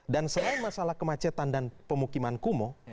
dan selain masalah kemacetan dan pemukiman kumo